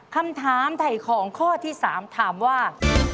คำถามไถ่ของข้อที่๓ถามว่า